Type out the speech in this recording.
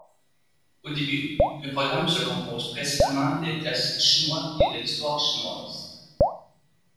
Au début, le programme se compose principalement des Classiques chinois et de l'histoire chinoise.